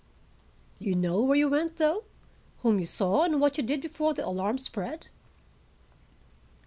"You know where you went, though? Whom you saw and what you did before the alarm spread?"